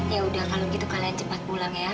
ya udah kalau gitu kalian cepat pulang ya